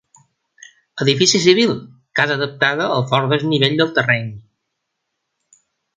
Edifici civil, casa adaptada al fort desnivell del terreny.